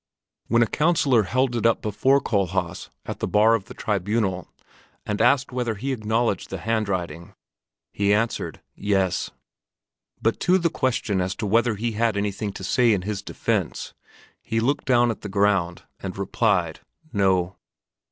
When a councilor held it up before Kohlhaas at the bar of the Tribunal and asked whether he acknowledged the handwriting, he answered, "Yes;" but to the question as to whether he had anything to say in his defense, he looked down at the ground and replied, "No."